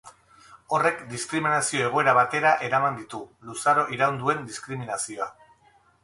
Horrek diskriminazio egoera batera eraman ditu, luzaro iraun duen diskriminazioa.